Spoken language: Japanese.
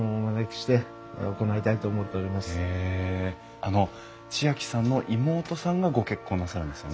あの知亜季さんの妹さんがご結婚なさるんですよね？